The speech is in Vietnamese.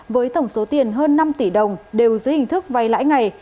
với tổng số tiền hơn năm tỷ đồng đều dưới hình thức vay lãi ngày